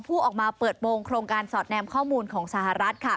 ออกมาเปิดโปรงโครงการสอดแนมข้อมูลของสหรัฐ